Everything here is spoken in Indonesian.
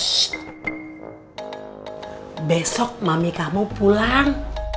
sh besok mami kamu pulang